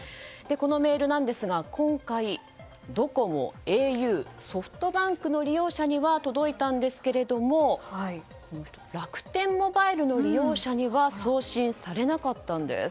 このメールなんですが今回、ドコモ、ａｕソフトバンクの利用者には届いたんですが楽天モバイルの利用者には送信されなかったんです。